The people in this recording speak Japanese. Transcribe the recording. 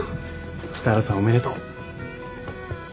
北原さんおめでとう。